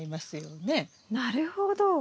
なるほど。